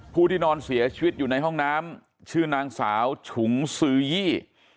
ที่นอนเสียชีวิตอยู่ในห้องน้ำชื่อนางสาวฉุงซื้อยี่